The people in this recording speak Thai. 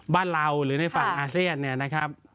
บ้านเราหรือในฝั่งอาเซียนเนี่ยนะครับ